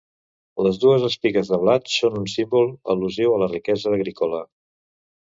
Les dues espigues de blat són un símbol al·lusiu a la riquesa agrícola.